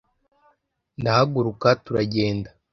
ndahaguruka turagenda